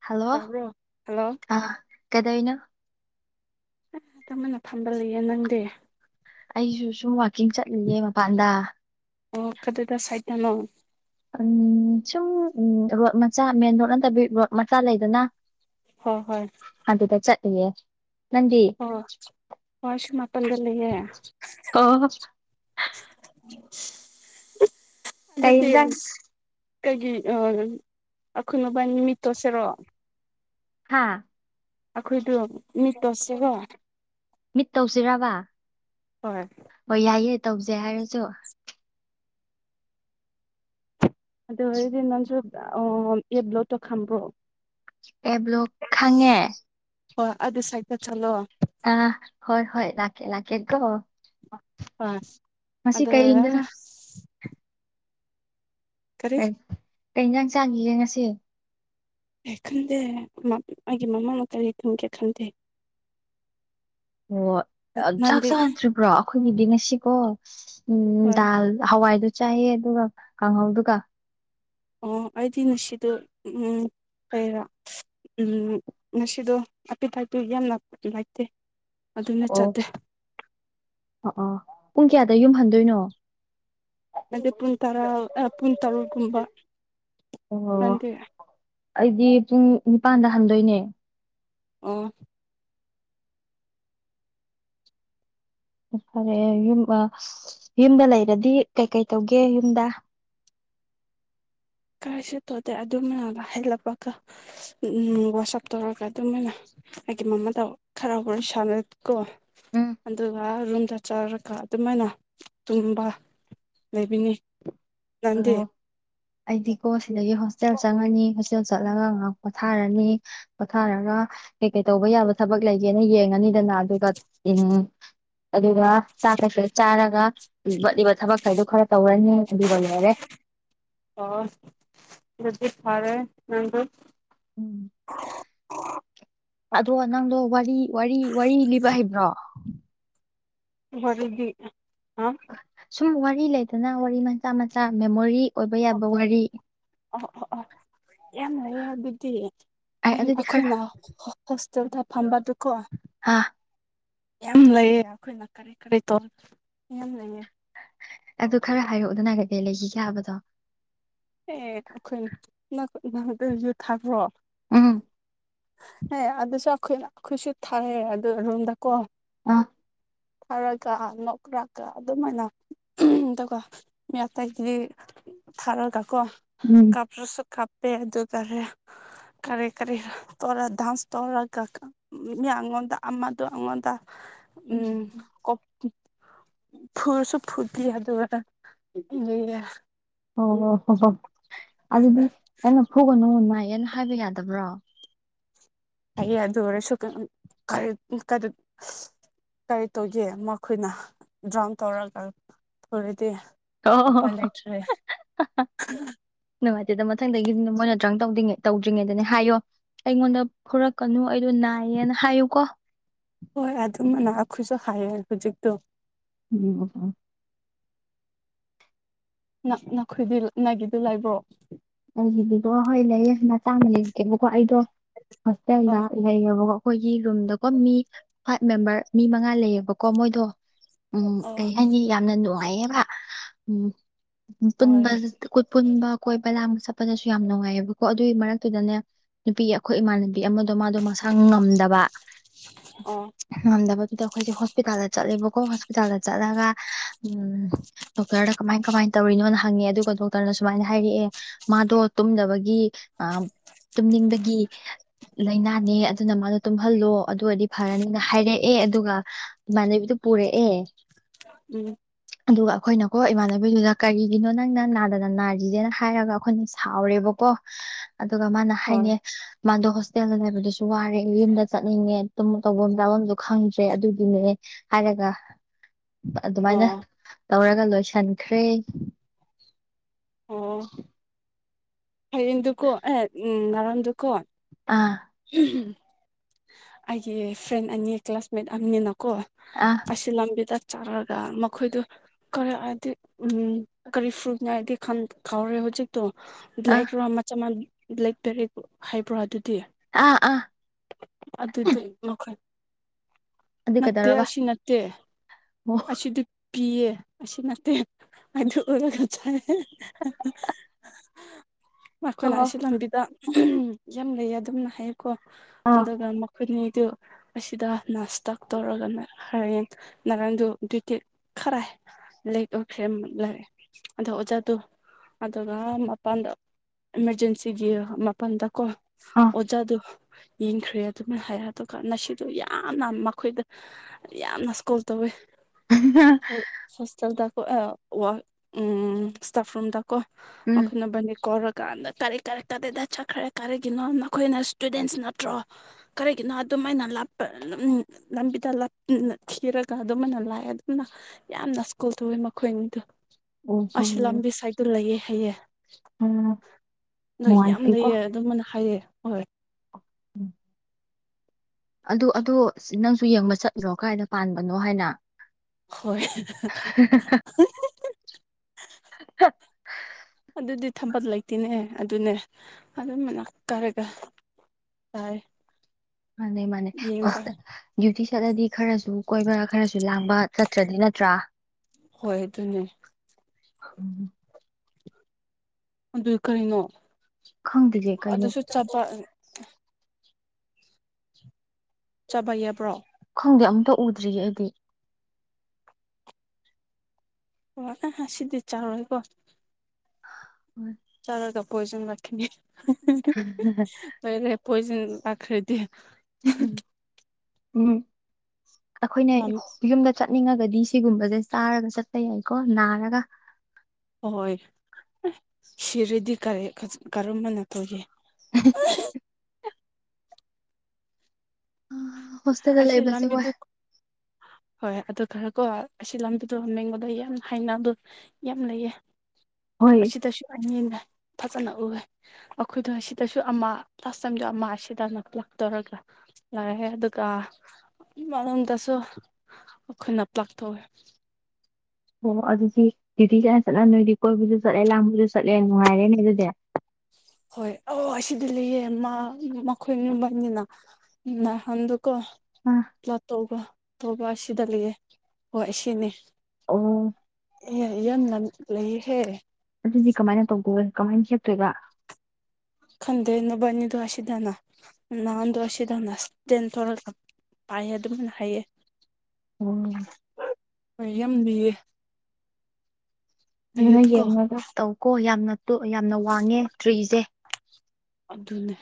hello ꯇꯥꯕ꯭ꯔꯣ hello ꯑ ꯀꯩꯗꯣꯢꯅꯣ ꯇꯨꯃꯤꯟꯅ ꯐꯝꯕ ꯂꯩꯌꯦ ꯅꯪꯗꯤ ꯑꯩꯁꯨ ꯁꯨꯝ ꯋꯥꯀꯤꯡ ꯆꯠꯂꯤꯌꯦ ꯃꯄꯥꯟꯗ ꯑꯣ ꯀꯗꯨꯗ ꯁꯥꯏꯗꯅꯣ ꯎꯝ ꯁꯨꯝ ꯔꯣꯠ ꯃꯆꯥ ꯃꯦꯟ ꯔꯣꯠ ꯅꯠꯇꯕꯤ ꯔꯣꯠ ꯃꯆꯥ ꯂꯩꯗꯅ ꯍꯣꯏ ꯍꯣꯏ ꯑꯗꯨꯗ ꯆꯠꯂꯤꯌꯦ ꯅꯪꯗꯤ ꯑꯣ ꯑꯩꯁꯨ ꯃꯄꯥꯟꯗ ꯂꯩꯌꯦ ꯑꯣ [inaudible] ꯀꯩ ꯑꯗꯨꯗꯤ ꯏꯟꯖꯥꯡ ꯀꯩꯒꯤ ꯑ ꯑꯩꯈꯣꯏꯃꯕꯥꯟꯅꯤ ꯃꯤꯠ ꯇꯣꯠꯁꯤꯔꯣ ꯍꯥꯥ ꯑꯩꯈꯣꯏꯗꯣ ꯃꯤꯠ ꯇꯣꯠꯁꯤꯔꯣ ꯃꯤꯠ ꯇꯧꯁꯤꯔꯕ ꯍꯣꯏ ꯍꯣꯏ ꯌꯥꯏꯌꯦ ꯇꯧꯖꯦ ꯍꯥꯏꯔꯁꯨ ꯑꯗꯨ ꯑꯣꯏꯔꯗꯤ ꯅꯪꯁꯨ ꯑꯣ ꯑꯦꯕ꯭ꯂꯣꯛꯇꯣ ꯈꯥꯝꯕ꯭ꯔꯣ ꯑꯦꯕ꯭ꯂꯣꯛ ꯈꯪꯉꯦ ꯍꯣꯏ ꯑꯗꯨ ꯁꯥꯏꯗ ꯆꯠꯂꯣ ꯑ ꯍꯣꯏ ꯍꯣꯏ ꯂꯥꯛꯀꯦ ꯂꯥꯛꯀꯦ ꯀꯣ ꯑ ꯑꯗ ꯏꯟꯖꯥꯡ [unintelligible] ꯀꯔꯤ ꯍ ꯀꯩꯖꯥꯡ ꯆꯥꯡꯒꯤꯒꯦ ꯉꯁꯤ ꯑꯩ ꯈꯟꯗꯦ ꯃꯥ ꯑꯩꯒꯤ ꯃꯃꯥ ꯅ ꯀꯔꯤ ꯊꯝꯒꯦ ꯈꯟꯗꯦ ꯑꯣ ꯆꯥꯛ ꯅꯪꯗꯤ ꯆꯥꯗ꯭ꯔꯤꯕ꯭ꯔꯣ ꯑꯩꯈꯣꯏꯅꯤꯗꯤ ꯉꯁꯤꯀꯣ ꯎꯝ ꯍꯣꯏ ꯗꯥꯜ ꯍꯋꯥꯏꯗꯣ ꯆꯥꯏꯑꯦ ꯑꯗꯨꯒ ꯀꯥꯡꯍꯧꯗꯨꯒ ꯑꯣ ꯑꯩꯗꯤ ꯉꯁꯤꯗꯣ ꯎꯝ ꯑꯩꯔ ꯎꯝ ꯉꯁꯤꯗꯣ ꯑꯄꯤꯠ ꯇꯥꯢꯄꯤꯠ ꯌꯥꯝꯅ ꯅꯨꯡꯉꯥꯏꯇꯦ ꯑꯣ ꯑꯣ ꯑꯣ ꯑꯣ ꯄꯨꯡ ꯀꯌꯥꯗ ꯌꯨꯝ ꯍꯟꯗꯣꯏꯅꯣ ꯑꯩꯗꯤ ꯄꯨꯡ ꯇꯔꯥ ꯄꯨꯡ ꯇꯔꯨꯛꯒꯨꯝꯕ ꯑꯣ ꯑꯩꯗꯤ ꯄꯨꯡ ꯅꯤꯄꯥꯥꯟꯗ ꯍꯟꯗꯣꯏꯅꯦ ꯑꯣ ꯐꯔꯦ ꯌꯨꯝ ꯑ ꯌꯨꯝꯗ ꯂꯩꯔꯗꯤ ꯀꯩꯀꯩ ꯇꯧꯒꯦ ꯌꯨꯝꯗ ꯀꯩꯁꯨ ꯇꯧꯗꯦ ꯑꯗꯨꯃꯥꯏꯅ ꯍꯜꯂꯛꯄꯒ ꯎꯝ ꯋꯥꯁꯑꯞ ꯇꯧꯔꯒ ꯑꯗꯨꯃꯥꯏꯅ ꯑꯩꯒꯤ ꯃꯃꯥꯗ ꯈꯔ ꯋꯥꯔꯤ ꯁꯥꯟꯅꯔꯒꯀꯣ ꯎꯝ ꯑꯗꯨꯒ ꯔꯨꯝ ꯇ ꯆꯥꯔꯒ ꯑꯗꯨꯃꯥꯏꯅ ꯇꯨꯝꯕ ꯂꯩꯕꯤꯅꯤ ꯅꯪꯗꯤ ꯑꯣ ꯑꯩꯗꯤꯀꯣ ꯁꯤꯗꯒꯤ ꯍꯣꯁꯇꯦꯜ ꯆꯪꯉꯅꯤ ꯍꯣꯁꯇꯦꯜ ꯆꯠꯂꯒ ꯉꯥꯏꯍꯥꯛ ꯄꯣꯊꯥꯔꯅꯤ ꯄꯣꯊꯥꯔꯒ ꯀꯩꯀꯩ ꯇꯧꯕ ꯌꯥꯕ ꯊꯕꯛ ꯂꯩꯒꯦꯅ ꯌꯦꯡꯉꯅꯤꯗꯅ ꯑꯗꯨꯒ ꯎꯝ ꯑꯗꯨꯒ ꯆꯥꯛ ꯈ꯭ꯔꯦꯆꯤ ꯆꯥꯔꯒ ꯋꯥꯠꯂꯤꯕ ꯊꯕꯛ ꯈꯔꯗꯨ ꯈꯔ ꯇꯧꯔꯅꯤ ꯑꯗꯨꯒ ꯂꯣꯏꯔꯦ ꯑꯣ ꯑꯗꯨꯗꯤ ꯐꯔꯦ ꯅꯪꯗꯤ ꯎꯝ ꯑꯗꯣ ꯅꯪꯗꯣ ꯋꯥꯔꯤ ꯋꯥꯔꯤ ꯋꯥꯔꯤ ꯂꯤꯕ ꯍꯩꯕ꯭ꯔꯣ ꯋꯥꯔꯤꯗꯤ ꯍꯥ ꯁꯨꯝ ꯋꯥꯔꯤ ꯂꯩꯗꯅ ꯋꯥꯔꯤ ꯃꯆꯥ ꯃꯆꯥ ꯃꯦꯃꯣꯔꯤ ꯑꯣꯏꯕ ꯌꯥꯕ ꯋꯥꯔꯤ ꯑꯣ ꯑꯣ ꯑꯣ ꯌꯥꯝ ꯂꯩꯌꯦ ꯑꯗꯨꯗꯤ ꯑꯩ ꯑꯗꯨꯗꯤ ꯈꯔ ꯑꯈꯣꯏꯅ ꯍꯣꯁꯇꯦꯜꯗ ꯐꯝꯕꯗꯨꯀꯣ ꯑ ꯌꯥꯝ ꯂꯩꯌꯦ ꯑꯩꯈꯣꯏꯅ ꯀꯔꯤ ꯀꯔꯤ ꯇꯧꯔꯒ ꯌꯥꯝ ꯂꯩꯌꯦ ꯑꯗꯨ ꯈꯔ ꯍꯥꯏꯔꯛꯎꯗꯅ ꯀꯩ ꯀꯩ ꯂꯩꯈꯤꯒꯦ ꯍꯥꯏꯕꯗꯣ ꯑꯦ ꯑꯩꯈꯣꯏ [unintelligible] ꯌꯨ ꯊꯥꯄ꯭ꯔꯣ ꯎꯝ ꯍꯦ ꯑꯗꯨꯁꯨ ꯑꯩꯈꯣꯏꯅ ꯑꯩꯈꯣꯏꯁꯨ ꯊꯥꯏꯑ ꯑꯗꯨ ꯔꯨꯝꯗꯀꯣ ꯑ ꯈꯔꯒ ꯅꯣꯛ꯭ꯔꯒ ꯑꯗꯨꯃꯥꯏꯅ ꯎꯍꯝ ꯑꯗꯨꯒ ꯃꯤ ꯑꯇꯩꯥꯗꯤ ꯊꯥꯔꯒ ꯀꯣ ꯎꯝ ꯀꯥꯞꯇ꯭ꯔꯁꯨ ꯀꯞꯄꯦ ꯑꯗꯨꯒꯔꯦ ꯀꯔꯤ ꯀꯔꯤ ꯇꯧꯔ ꯗꯥꯟꯁ ꯇꯧꯔ ꯀ ꯃꯤ ꯑꯩꯉꯣꯟꯗ ꯑꯃꯗꯨ ꯑꯩꯉꯣꯟꯗ ꯎꯝ ꯐꯧꯔꯁꯨ ꯐꯨꯗꯤ ꯍꯥꯏꯗꯣꯏꯕ ꯑꯗꯨꯒꯦ ꯑꯣ ꯍꯣ ꯍꯣ ꯑꯗꯨꯗꯤ ꯅꯪꯅ ꯐꯨꯒꯅꯨ ꯅꯥꯏ ꯍꯥꯏꯅ ꯍꯥꯏꯕ ꯌꯥꯗꯕ꯭ꯔꯣ ꯍꯥꯏꯌꯦ ꯑꯗꯨ ꯑꯣꯏꯔꯁꯨ ꯑ ꯎꯝ [unintelligible] ꯀꯔꯤ ꯇꯧꯒꯦ ꯃꯈꯣꯏꯅ ꯗ꯭ꯔꯪ ꯇꯧꯔꯒ ꯐꯨꯔꯗꯤ ꯑꯣ ꯍꯣ ꯍꯥ ꯍꯥ ꯅꯨꯡꯉꯥꯏꯇꯦꯗ ꯃꯊꯪꯗꯒꯤ [unintelligible] ꯃꯣꯏꯅ ꯗ꯭ꯔꯪ ꯇꯧꯗꯤꯉꯩ ꯇꯧꯗ꯭ꯔꯤꯉꯩꯗꯅꯦ ꯍꯥꯏꯌꯣ ꯑꯩꯉꯣꯟꯗ ꯐꯨꯔꯛꯀꯅꯨ ꯑꯩꯗꯣ ꯅꯥꯏꯌꯦꯅ ꯍꯥꯏꯌꯨꯀꯣ ꯍꯣꯏ ꯑꯗꯨꯝ ꯃꯥꯏꯅ ꯑꯈꯣꯏꯁꯨ ꯍꯥꯏꯌꯦ ꯍꯧꯖꯤꯛꯇꯣ [unintelligible] ꯅ ꯅꯈꯣꯏꯗꯤ ꯅꯒꯤꯗ ꯂꯩꯕ꯭ꯔꯣ ꯑꯩꯒꯤꯗꯤꯗꯣ ꯍꯣꯏ ꯂꯩꯌꯦ ꯃꯇꯥꯡ ꯌꯦꯡꯒꯦꯕꯀꯣ ꯑꯩꯗꯣ ꯍꯣꯁꯇꯦꯜꯗ ꯍꯣꯏ ꯂꯩꯌꯦꯕꯀꯣ ꯑꯩꯈꯣꯏꯒꯤ ꯔꯨꯝꯗꯀꯣ ꯃꯤ ꯐꯥꯏꯚ ꯃꯦꯝꯕꯔ ꯃꯤ ꯃꯉꯥ ꯂꯩꯌꯦꯕꯀꯣ ꯃꯣꯏꯗꯣ ꯎꯝ ꯑꯣ ꯀꯩ ꯍꯥꯏꯅꯤ ꯌꯥꯝꯅ ꯅꯨꯡꯉꯥꯏꯌꯦꯕ ꯎꯝ ꯍꯣꯏ ꯄꯨꯟꯕ ꯑꯩꯈꯣꯏ ꯄꯨꯟꯕ ꯀꯣꯏ ꯂꯥꯡ ꯆꯠꯄꯗꯁꯨ ꯌꯥꯝ ꯅꯨꯡꯉꯥꯏꯑꯕꯀꯣ ꯑꯗꯨꯒꯤ ꯃꯔꯛꯇꯨꯗꯅꯦ ꯅꯨꯄꯤ ꯑꯩꯈꯣꯏ ꯏꯃꯥꯟꯅꯕꯤ ꯑꯃꯗꯣ ꯃꯥꯗꯣ ꯃꯁꯥ ꯉ ꯉꯝꯗꯕ ꯑꯣ ꯉꯝꯗꯕꯗꯨꯗ ꯑꯩꯈꯣꯏꯖꯦ ꯍꯣꯁꯄꯤꯇꯥꯜꯗ ꯆꯠꯂꯦꯕꯀꯣ ꯍꯣꯁꯄꯤꯇꯥꯜꯗ ꯆꯠꯂꯒ ꯎꯝ ꯗꯣꯛꯇꯔꯗ ꯀꯃꯥꯏ ꯀꯃꯥꯏꯟ ꯇꯧꯔꯤꯅꯣꯅ ꯍꯪꯉꯦ ꯑꯗꯨꯒ ꯗꯣꯛꯇꯔꯅ ꯁꯃꯥꯏꯅ ꯍꯥꯏꯔꯛꯑꯦ ꯃꯥꯗꯣ ꯇꯨꯝꯗꯕꯒꯤ ꯑꯥ ꯇꯨꯝꯅꯤꯡꯕꯒꯤ ꯂꯥꯏꯅꯅꯦ ꯑꯗꯨꯅ ꯃꯥꯗꯣ ꯇꯨꯝꯍꯜꯂꯣ ꯑꯗꯨ ꯑꯣꯏꯗꯤ ꯐꯔꯅꯤꯅ ꯍꯥꯏꯔꯛꯑꯦ ꯑꯗꯨꯒ ꯏꯃꯥꯟꯅꯕꯤꯗꯨ ꯄꯨꯔꯛꯑꯦ ꯎꯝ ꯑꯗꯨꯒ ꯑꯈꯣꯏꯅꯀꯣ ꯏꯃꯥꯟꯅꯕꯤꯗꯨꯗ ꯀꯔꯤꯒꯤꯅꯣ ꯅꯪꯅ ꯅꯥꯗꯅ ꯅꯥꯔꯤꯖꯦꯅ ꯍꯥꯏꯔꯒ ꯑꯈꯣꯏꯅ ꯁꯥꯎꯔꯦꯕꯀꯣ ꯑꯗꯨꯒ ꯃꯥꯅ ꯍꯣꯏ ꯍꯥꯏꯅꯦ ꯃꯥꯗꯣ ꯍꯣꯁꯇꯦꯜꯗ ꯂꯩꯕꯗꯣꯁꯨ ꯋꯥꯔꯦ ꯌꯨꯝꯗ ꯆꯠꯅꯤꯡꯉꯦ ꯇꯨꯝ ꯇꯧꯕꯝ ꯆꯥꯕꯝꯁꯨ ꯈꯪꯗ꯭ꯔꯦ ꯑꯗꯨꯒꯤꯅꯦ ꯍꯥꯏꯔꯒ ꯑꯗꯨꯃꯥꯏꯅ ꯑꯣ ꯇꯧꯔꯒ ꯂꯣꯏꯁꯟꯈ꯭ꯔꯦ ꯑꯣ ꯍꯌꯦꯡꯗꯨꯀꯣ ꯑꯦ ꯎꯝ ꯉꯔꯥꯡꯗꯨꯀꯣ ꯑꯥ ꯎꯍꯝ ꯑꯩꯒꯤ ꯐ꯭ꯔꯦꯟ ꯑꯅꯤ ꯀ꯭ꯂꯥꯁꯃꯦꯠ ꯑꯅꯤ ꯅ ꯀꯣ ꯑꯥ ꯑꯁꯤ ꯂꯝꯕꯤꯗ ꯆꯥꯔꯒ ꯃꯈꯣꯏꯗꯨ ꯀꯔ ꯗꯤ ꯀꯔꯤ ꯐ꯭ꯔꯨꯅꯦ ꯍꯥꯏꯗꯤ ꯈꯟ ꯀꯥꯎꯔꯦ ꯍꯧꯖꯤꯛꯇꯣ ꯑꯥ ꯕ꯭ꯂꯦꯛ ꯔꯣ ꯃꯆꯥ ꯕ꯭ꯂꯦꯛ ꯕꯦꯔꯤꯕꯨ ꯍꯥꯏꯕ꯭ꯔꯣ ꯑꯗꯨꯗꯤ ꯑꯥ ꯑꯥ ꯑꯗꯨꯗꯨꯏ ꯃꯈꯟ ꯑꯗꯨ ꯅꯠꯇꯦ ꯀꯩꯗꯧꯔꯕ ꯑꯁꯤ ꯅꯠꯇꯦ ꯑꯣ ꯑꯁꯤꯗꯤ ꯄꯤꯌꯦ ꯑꯁꯤ ꯅꯠꯇꯦ ꯑꯗꯨ ꯎꯔꯒ ꯆꯥꯏ ꯍꯥ ꯍꯥ ꯍꯥ ꯃꯈꯣꯏꯅ ꯑꯣ ꯑꯁꯤ ꯂꯝꯕꯤꯗ ꯑꯍꯝ ꯌꯥꯝ ꯂꯩꯌꯦ ꯑꯗꯨꯝꯅ ꯀꯣ ꯑꯥ ꯑꯗꯨꯒ ꯃꯈꯣꯏꯅꯤ ꯗꯨ ꯑꯁꯤꯗ ꯅꯥꯁꯇꯛ ꯇꯧꯔꯒ ꯍꯌꯦꯡ ꯅꯔꯪꯗꯨ ꯗꯨꯏꯇꯦꯛ ꯈ꯭ꯔꯥꯏ ꯂꯩ ꯑꯣꯈꯔꯦꯝ ꯂꯩ ꯑꯗꯣ ꯑꯣꯖꯥꯗꯨ ꯑꯗꯨꯒ ꯃꯄꯥꯟꯗ ꯑꯦꯃꯔꯖꯦꯟꯁꯤꯒꯤ ꯃꯥꯄꯟꯗꯀꯣ ꯑꯥ ꯑꯣꯖꯥꯗꯨ ꯌꯦꯡꯈ꯭ꯔꯦ ꯑꯗꯨꯅ ꯍꯥꯏ ꯑꯗꯨꯒ ꯅꯁꯤꯗꯨ ꯌꯥꯝꯅ ꯃꯈꯣꯏꯗ ꯌꯥꯝ ꯌꯥꯝꯅ ꯁꯀꯣꯜ ꯇꯧꯋꯦ ꯁꯣ ꯁꯣꯁꯦꯜꯗꯀꯣ ꯑꯥ ꯋꯥ ꯎꯝ ꯏꯁꯇꯞꯔꯨꯝꯗ ꯀꯣ ꯎꯝ ꯃꯈꯣꯏꯅꯕꯥꯅꯤ ꯀꯧꯔꯀꯥꯟꯗ ꯀꯔꯤ ꯀꯔꯤ ꯀꯗꯥꯏꯗ ꯆꯠꯈ꯭ꯔꯦ ꯀꯔꯤꯒꯤꯅꯣ ꯅꯛ ꯈꯣꯏꯅ ꯁ꯭ꯇꯨꯗꯦꯟꯁ ꯅꯠꯇ꯭ꯔꯣ ꯀꯔꯤꯒꯤꯅꯣ ꯑꯗꯨꯃꯥꯏꯅ ꯂꯥꯞꯄ ꯂꯝꯕꯤꯗ ꯊꯤꯔꯒ ꯑꯗꯨꯃꯥꯅ ꯂꯥꯛꯑꯦ ꯑꯗꯨꯝꯅ ꯌꯥꯝꯅ ꯁ꯭ꯀꯣꯜ ꯇꯧꯋꯦ ꯃꯈꯣꯏꯑꯅꯤꯗꯣ ꯑꯣ ꯍꯣꯏ ꯑꯁꯤ ꯍꯣꯏ ꯂꯝꯕꯤ ꯁꯥꯏꯠꯇ ꯂꯩꯌꯦ ꯍꯩꯌꯦ ꯍꯣꯏ ꯑꯗꯣ ꯌꯥꯝ ꯅꯨꯡꯉꯥꯏꯇꯦꯀꯣ ꯂꯩꯌꯦ ꯑꯗꯨꯝꯕꯅ ꯍꯥꯏꯌꯦ ꯍꯣꯏ ꯎꯝ ꯑꯗꯨ ꯑꯗꯣ ꯅꯪꯁꯨ ꯌꯦꯡꯕ ꯆꯠꯂꯣ ꯀꯥꯏꯗ ꯄꯥꯟꯕꯅꯣ ꯍꯥꯏꯅ ꯍꯣꯏ ꯍꯥ ꯍꯥ ꯍꯤ ꯍꯤ ꯑꯗꯨꯗꯤ ꯊꯝꯕꯜ ꯂꯩꯇꯦꯅꯦ ꯑꯗꯨꯅꯦ ꯑꯗꯨ ꯃꯅ ꯀꯥꯔꯒ ꯇꯥꯏ ꯃꯥꯅꯦ ꯃꯥꯅꯦ ꯌꯦꯡꯕ ꯍꯣꯁꯇꯦꯜ ꯗꯤꯌꯨꯇꯤ ꯆꯠꯂꯗꯤ ꯈꯔꯁꯨ ꯀꯣꯏꯕ ꯈꯔꯁꯨ ꯂꯥꯡꯕ ꯆꯠꯇ꯭ꯔꯗꯤ ꯅꯠꯇ꯭ꯔ ꯍꯣꯏ ꯑꯗꯨ ꯅꯦ [inaudible] ꯑꯗꯨ ꯀꯔꯤꯅꯣ ꯈꯪꯗꯦꯌꯦ ꯀꯩꯅꯣ ꯑꯗꯨꯁꯨ ꯆꯠꯄ ꯆꯥꯕ ꯌꯥꯕ꯭ꯔꯣ ꯈꯪꯗꯦ ꯑꯝꯇ ꯎꯗ꯭ꯔꯤꯌꯦ ꯑꯩꯗꯤ ꯑꯣ ꯑꯦ ꯁꯤꯗꯤ ꯆꯥꯔꯣꯏꯀꯣ ꯍꯣꯏ ꯆꯠꯂꯒ ꯄꯣꯏꯖꯟ ꯂꯥꯛꯈꯤꯅꯤ ꯂꯣꯏꯔꯦ ꯄꯣꯏꯖꯟ ꯂꯥꯛꯈ꯭ꯔꯗꯤ ꯎꯝ ꯑꯩꯈꯣꯏꯅ ꯌꯨꯝꯗ ꯆꯠ ꯅꯤꯡꯉꯒꯗꯤ ꯁꯤꯒꯨꯝꯕꯁꯦ ꯆꯥꯔꯒ ꯆꯠꯄ ꯌꯥꯏꯀꯣ ꯅꯥꯔꯒ ꯍꯣꯏ ꯁꯤꯔꯦꯗꯤ ꯀꯔꯤ ꯈꯖ ꯀꯔꯨꯝꯕꯅ ꯇꯧꯒꯦ [unintelligible] ꯍꯣꯁꯇꯦꯜꯗ ꯑꯁꯤ ꯂꯩꯕꯁꯦ ꯋꯥꯏ ꯂꯝꯕꯤꯗꯨ ꯍꯣꯏ ꯑꯗꯨ ꯈꯔ ꯀꯣ ꯑꯁꯤ ꯂꯝꯕꯤꯗꯣ ꯌꯦꯡꯕꯗ ꯌꯥꯝ ꯍꯥꯏꯅ ꯑꯗꯨ ꯌꯥꯝ ꯂꯩꯌꯦ ꯍꯣꯏ ꯑꯁꯤ ꯇꯁꯨ ꯑꯅꯤꯂꯦ ꯐꯆꯅ ꯎꯋꯦ ꯑꯩꯈꯣꯏꯗꯣ ꯑꯁꯤꯗꯁꯨ ꯑꯃ ꯂꯥꯁ ꯇꯥꯏꯝꯗꯣ ꯑꯃ ꯑꯁꯤꯗ ꯂꯂ ꯇꯧꯔꯒ ꯌꯥꯔꯦꯍꯦ ꯑꯗꯨꯒ ꯃꯅꯨꯡꯗꯁꯨ ꯑꯈꯣꯏꯅ ꯄ꯭ꯂꯛ ꯇꯧꯏ ꯑꯣ ꯑꯗꯨꯗꯤ ꯗꯤ ꯀꯅ ꯆꯠꯍꯟꯗꯣꯏꯗꯤ ꯀꯣꯏꯕꯁꯨ ꯆꯠꯂꯦ ꯂꯥꯡꯕꯨꯁꯨ ꯆꯠꯂꯦ ꯅꯨꯡꯉꯥꯏꯔꯦꯅꯦ ꯑꯗꯨꯗꯤ [inaudible] ꯍꯣꯏ ꯑ ꯑꯁꯤꯗꯤ ꯂꯩꯌꯦ ꯃꯈꯣꯏ ꯌꯨꯝꯕꯅꯤꯅꯟ ꯀꯣ ꯑꯥ ꯂꯥ ꯇꯧꯕ ꯇꯧꯕ ꯑꯁꯤꯗ ꯂꯩꯌꯦ ꯍꯣꯏ ꯑꯁꯤꯅꯤ ꯑꯣ [unintelligible] ꯑꯗꯨꯗꯤ ꯀꯃꯥꯏꯅ ꯇꯧꯒꯣꯑꯦ ꯀꯃꯥꯏꯅ ꯆꯦꯞꯇꯣꯏꯕ ꯈꯟꯗꯦ ꯅꯕꯥꯟꯅꯤꯗꯣ ꯑꯁꯤꯗꯅ ꯅꯍꯥꯟꯗꯣ ꯑꯁꯤꯗꯅ ꯆꯦꯟꯊꯣꯛꯂꯒ ꯄꯥꯏꯑꯦ ꯑꯗꯨꯝ ꯍꯩꯌꯦ ꯑꯣ ꯎꯝ ꯌꯥꯝ ꯂꯤꯌꯦ ꯑꯗꯨꯅ ꯌꯦꯡꯉꯒ ꯇꯧꯀꯣ ꯌꯥꯝꯅ ꯇꯣꯛ ꯌꯥꯝꯅ ꯋꯥꯡꯉꯦ ꯇ꯭ꯔꯤꯁꯦ ꯑꯗꯨꯅꯦ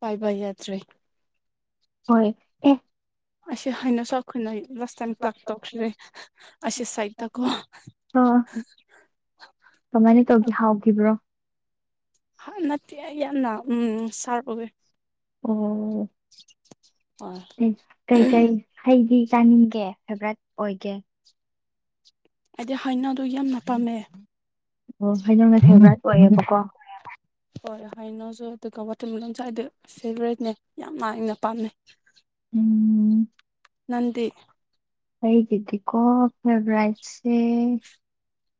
ꯄꯥꯏꯕ ꯌꯥꯗꯔꯦ ꯍꯣꯏ ꯑꯦ ꯑꯁꯤ ꯍꯥꯏꯅꯁꯨ ꯑꯩꯈꯣꯏꯅ ꯂꯥꯁ ꯇꯥꯏꯝ ꯂꯥꯛꯇꯣꯛꯈ꯭ꯔꯦ ꯑꯁꯤ ꯁꯥꯏꯠꯇꯀꯣ ꯑ [unintelligible] ꯀꯃꯥꯏꯅ ꯇꯧꯒꯦ ꯍꯥꯎꯒꯤꯕ ꯍ ꯅꯠꯇꯦ ꯑꯩ ꯌꯥꯝꯅ ꯎꯝ ꯁꯥꯔ ꯑꯣꯋꯦ ꯑꯣ ꯍꯣꯏ ꯀꯩꯀꯩ ꯍꯩꯗꯤ ꯆꯥꯅꯤꯡꯒꯦ ꯐꯦꯚꯔꯥꯏꯠ ꯑꯣꯏꯒꯦ ꯑꯩꯗꯤ ꯍꯥꯏꯅꯧꯗꯣ ꯌꯥꯝꯅ ꯄꯥꯝꯃꯦ ꯑꯣ ꯍꯩꯅꯧꯅ ꯐꯦꯚꯔꯥꯏꯠ ꯑꯣꯏꯌꯦꯕꯀꯣ ꯍ ꯍꯥꯏꯅꯧꯁꯨ ꯑꯗꯨ ꯀ [inaudible] ꯊꯨꯝ ꯗꯪ ꯆꯥꯏꯗꯣ ꯐꯦꯚꯔꯦꯠꯅꯦ ꯌꯥꯝꯅ ꯑꯩꯅ ꯄꯥꯝꯃꯦ ꯎꯝ ꯅꯟꯗꯤ ꯑꯩꯒꯤꯗꯤꯀꯣ ꯐꯦꯚꯔꯥꯏꯠꯁꯦ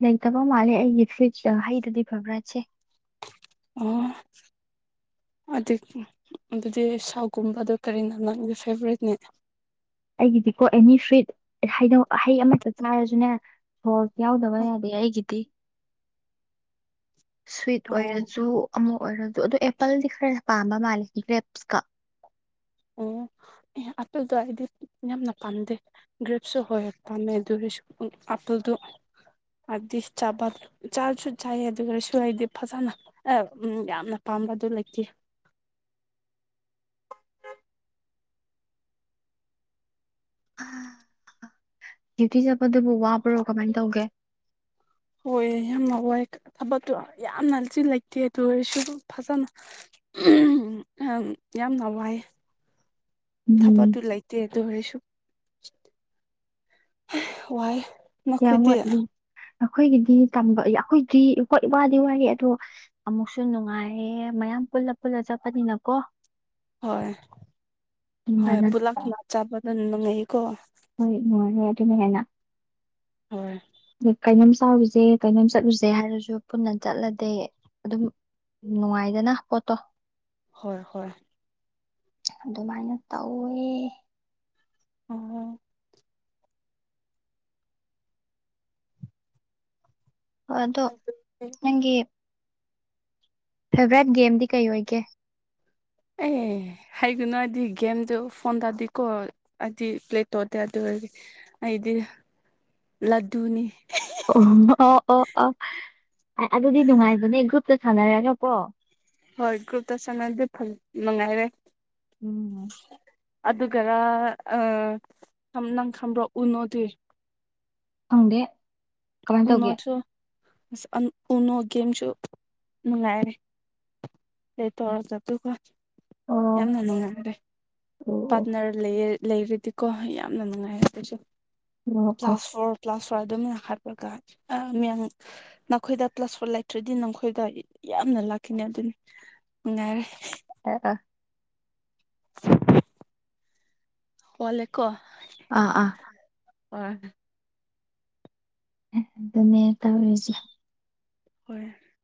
ꯂꯩꯇꯕ ꯃꯥꯜꯂꯦ ꯑꯩꯒꯤ ꯐ꯭ꯔꯨꯆ ꯍꯩꯗꯗꯤ ꯐꯦꯕꯔꯥꯏꯠꯁꯦ ꯑꯣ [inaudible] ꯑꯗꯨꯗꯤ ꯁꯥꯒꯨꯝꯕꯗꯣ ꯀꯔꯤꯅꯣ ꯅꯪꯒꯤ ꯐꯦꯚ꯭ꯔꯥꯢꯠꯇꯤ ꯑꯩꯒꯤꯗꯤꯀꯣ ꯑꯦꯅꯤ ꯁ꯭ꯋꯤꯠ ꯍꯩꯅꯧ ꯍꯩ ꯑꯃꯍꯦꯛꯇ ꯆꯥꯔꯁꯨꯅꯦ ꯁꯣ ꯌꯥꯎꯗꯕ ꯌꯥꯗꯦ ꯑꯩꯒꯤꯗꯤ ꯁ꯭ꯋꯤꯠ ꯑꯣ ꯑꯣꯏꯔꯁꯨ ꯑꯃꯨꯛ ꯑꯣꯏꯔꯗꯨ ꯑꯗꯣ ꯑꯦꯄꯜꯗꯤ ꯈꯔ ꯄꯥꯝꯕ ꯃꯥꯜꯂꯦ ꯒ꯭ꯔꯦꯞꯁꯀ ꯑꯣ ꯑꯦꯄꯜꯗꯣ ꯑꯩꯗꯤꯌꯥꯝꯅ ꯄꯥꯝꯗꯦ ꯒ꯭ꯔꯦꯞꯁꯨ ꯍꯣꯏ ꯄꯥꯝꯃꯦ ꯑꯗꯨꯒꯤꯁꯨ ꯑꯗꯨꯝ ꯍꯥꯏꯕꯗꯤ ꯆꯥꯕꯜ ꯆꯥꯖꯨ ꯆꯥꯏꯌꯦ ꯑꯗꯨꯒꯁꯨ ꯑꯩꯗꯤ ꯐꯖꯅ ꯑꯥ ꯎꯝ ꯌꯥꯝꯅ ꯄꯥꯝ ꯇꯝꯕꯗꯨ ꯂꯩꯇꯦ [inaudible] ꯗ꯭ꯌꯨꯇꯤ ꯆꯠꯄꯗꯨꯕꯨ ꯋꯥꯕ꯭ꯔꯣ ꯀꯃꯥꯏꯅ ꯇꯧꯒꯦ ꯍꯣꯏ ꯌꯥꯝꯅ ꯋꯥꯏ ꯊꯕꯛꯇꯣ ꯌꯥꯝꯅ ꯆꯤꯟ ꯂꯩꯇꯦ ꯑꯗꯨ ꯑꯣꯏꯔꯁꯨ ꯗꯨꯝ ꯐꯖꯅ ꯑꯍꯝ ꯌꯥꯝꯅ ꯋꯥꯏꯌꯦ [inaudible] ꯎꯝ ꯊꯕꯠꯇꯨ ꯂꯩꯇꯦ ꯑꯗꯨ ꯑꯣꯢꯔꯁꯨ ꯋꯥꯏ ꯅꯈꯣꯏꯗꯤ ꯑꯈꯣꯏꯒꯤꯗꯤ ꯇꯝꯕ ꯌꯥꯎ ꯑꯈꯣꯏꯗꯤ ꯋꯥꯗꯤ ꯋꯥꯌꯦ ꯑꯗꯣ ꯑꯃꯨꯛꯁꯨ ꯅꯨꯡꯉꯥꯏꯌꯦ ꯃꯌꯥꯝ ꯄꯨꯜꯂ ꯄꯨꯜꯂ ꯆꯠꯄꯅꯤꯅꯀꯣ ꯍꯣꯏ ꯍꯣꯏ ꯅꯨꯡꯉꯥꯏꯅ ꯄꯨꯂꯞ ꯄꯨꯂꯞ ꯆꯥꯕꯗꯣ ꯅꯨꯡꯉꯥꯏꯌꯧꯀꯣ ꯍꯣꯏ ꯅꯨꯡꯉꯥꯏꯔꯦ ꯑꯗꯨꯅ ꯍꯦꯟꯅ ꯍꯣꯏ ꯀꯩꯅꯣꯝ ꯆꯥꯎꯔꯨꯁꯦ ꯀꯩꯅꯣꯝ ꯆꯠꯂꯨꯁꯦ ꯍꯥꯏꯔꯁꯨ ꯄꯨꯟꯅ ꯆꯠꯂꯗꯤ ꯑꯗꯨꯝ ꯅꯨꯡꯉꯥꯏꯗꯅ ꯄꯣꯠꯇꯣ ꯍꯣꯏ ꯍꯣꯏ ꯑꯗꯨꯃꯥꯏꯅ ꯇꯧꯋꯦ ꯑꯣ ꯑꯗꯣ ꯑꯗꯨꯗꯤ ꯅꯪꯒꯤ ꯐꯦꯚꯔꯥꯏꯠ ꯒꯦꯝꯗꯤ ꯀꯩ ꯑꯣꯏꯒꯦ ꯑꯦ ꯍꯥꯏꯒꯅꯨ ꯍꯥꯏꯗꯤ ꯒꯦꯝꯗ ꯐꯣꯟꯗꯗꯤꯀꯣ ꯍꯥꯏꯗꯤ ꯄ꯭ꯂꯦꯇꯣꯠꯇ ꯑꯗꯨ ꯑꯩꯗꯤ ꯂꯗꯨꯅꯤ ꯑ ꯑꯗꯨꯗꯤ ꯅꯨꯡꯉꯥꯏꯕꯅꯦ ꯒ꯭ꯔꯨꯞꯇ ꯁꯥꯟꯅꯔꯅꯀꯣ ꯍꯣꯏ ꯒ꯭ꯔꯨꯞꯇ ꯆꯪꯗꯤ ꯃꯉꯥꯏꯔꯦ ꯎꯝ ꯑꯗꯨꯒꯔ ꯑ ꯅꯪ ꯈꯝꯕ꯭ꯔꯣ ꯎꯅꯣꯗꯤ ꯈꯪꯗꯦ ꯀꯃꯥꯏꯅ ꯎꯅꯣ ꯇꯧꯒꯦ ꯁꯨ ꯎꯅꯣ ꯒꯦꯝꯁꯨ ꯅꯨꯡꯉꯥꯏ ꯂꯩ ꯇꯧꯔꯒ ꯑꯗꯨꯒ ꯑꯣ ꯌꯥꯝꯅ ꯅꯨꯡꯉꯥꯏꯔꯦ ꯑꯣ ꯄꯥꯔꯠꯅꯔ ꯂꯩ ꯂꯩꯔꯗꯤꯀꯣ ꯌꯥꯝꯅ ꯅꯨꯡꯉꯥꯏꯌꯦ ꯑꯗꯨꯁꯨ ꯑꯣ ꯑꯣ ꯑꯣ ꯀ꯭ꯂꯥꯁ ꯐꯣꯔ ꯀ꯭ꯂꯥꯁ ꯑꯗꯨꯝꯅ ꯍꯥꯠꯄꯒ ꯅꯈꯣꯏꯗ ꯀ꯭ꯂꯂꯥꯁ ꯐꯣꯔ ꯂꯩꯇ꯭ꯔꯗꯤ ꯅꯈꯣꯏꯗ ꯌꯥꯝ ꯅ ꯂꯥꯛꯈꯤꯅꯦ ꯑꯗꯨꯅꯤ ꯅꯨꯡꯉꯥꯏꯔꯦ ꯋꯥꯂꯦꯀꯣ ꯑꯥ ꯑꯥ [inaudible] ꯑꯗꯨꯅꯦ ꯇꯧꯔꯤꯁꯦ ꯍꯣꯏ